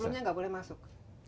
sebenarnya tidak boleh masuk